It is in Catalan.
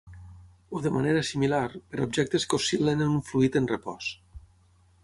O de manera similar, per a objectes que oscil·len en un fluid en repòs.